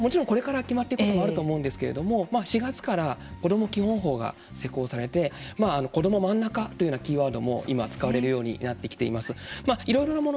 もちろんこれから決まっていくこともあると思うんですけれども４月からこども基本法が施行されて「こどもまんなか」というようなキーワードも今使われるようになってきています。